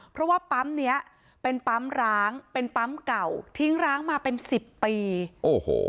เพราะว่าปั๊มเนี้ยเป็นปั๊มร้างเป็นปั๊มเก่าทิ้งร้างมาเป็นสิบปีโอ้โห